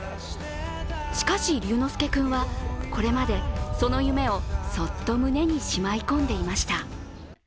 しかし、龍之介君はこれまでその夢をそっと胸にしまい込んでいました。